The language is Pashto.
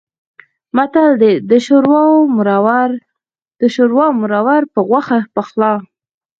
متل دی: د شوروا مرور په غوښه پخلا.